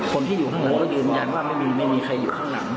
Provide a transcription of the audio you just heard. คนที่อยู่ข้างหลังก็ยืนยันว่าไม่มีใครอยู่ข้างหลัง